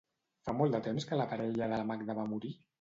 Fa molt temps que la parella de la Magda va morir?